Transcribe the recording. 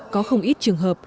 có không ít trường hợp